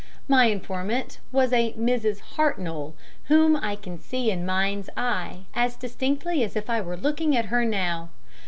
My informant was a Mrs. Hartnoll, whom I can see in my mind's eye, as distinctly as if I were looking at her now.